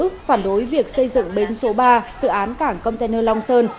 phản đối việc xây dựng bến số ba dự án cảng container long sơn